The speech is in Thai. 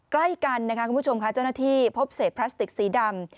ใกล้กันเจ้าหน้าที่พบเสพพลาสติกสีดำ